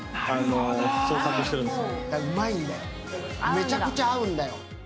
めちゃめちゃ合うんだよ。